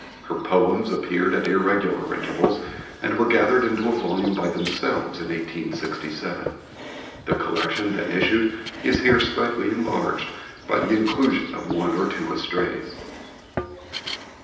Her poems appeared at irregular intervals and were gathered into a volume by themselves in 1867. The collection then issued is here slightly enlarged by the inclusion of one or two estrays.